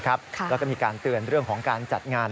แล้วก็มีการเตือนเรื่องของการจัดงาน